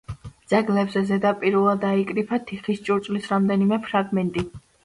ძეგლებზე ზედაპირულად აიკრიფა თიხის ჭურჭლის რამდენიმე ფრაგმენტი.